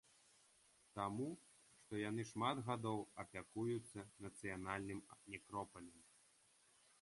Таму, што яны шмат гадоў апякуюцца нацыянальным некропалем.